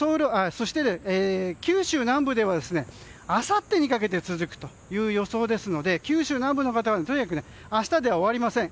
九州南部ではあさってにかけて続くという予想ですので九州南部の方はとにかく明日では終わりません。